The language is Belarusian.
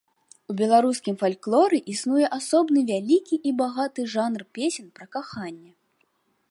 У беларускім фальклоры існуе асобны вялікі і багаты жанр песень пра каханне.